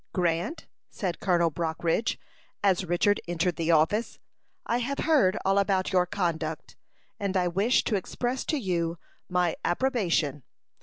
"Grant," said Colonel Brockridge, as Richard entered the office, "I have heard all about your conduct, and I wish to express to you my approbation.